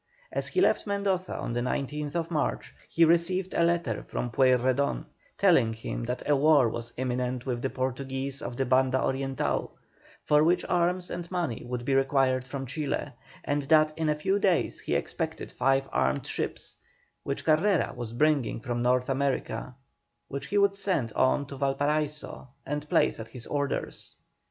As he left Mendoza on the 19th March, he received a letter from Pueyrredon, telling him that a war was imminent with the Portuguese of the Banda Oriental, for which arms and money would be required from Chile, and that in a few days he expected five armed ships, which Carrera was bringing from North America, which he would send on to Valparaiso and place at his orders.